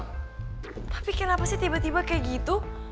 tapi kenapa sih tiba tiba kayak gitu